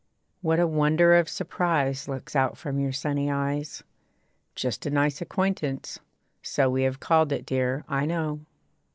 What a wonder of surprise Looks out from your sunny eyes. 'Just a nice acquaintance.' So We have called it, dear, I know.